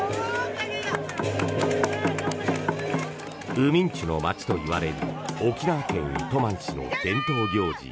うみんちゅの街といわれる沖縄県糸満市の伝統行事